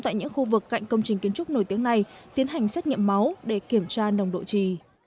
tại những khu vực cạnh công trình kiến trúc nổi tiếng này tiến hành xét nghiệm máu để kiểm tra nồng độ trì